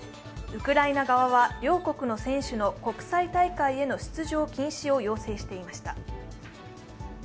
ウクライナ側は両国の選手の国際大会への出場禁止を要請していました。